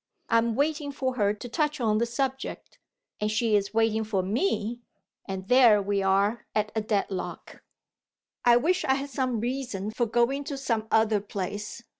I am waiting for her to touch on the subject, and she is waiting for me; and there we are at a deadlock. I wish I had some reason for going to some other place.